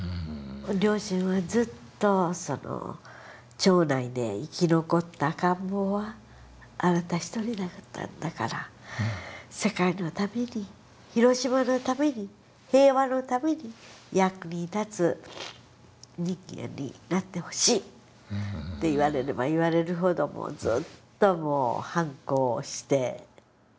両親はずっと「町内で生き残った赤ん坊はあなた一人だったんだから世界のために広島のために平和のために役に立つ人間になってほしい」って言われれば言われるほどずっと反抗して。